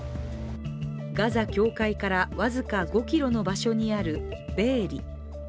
ガザ境界から僅か５ｋｍの場所にあるベエリ。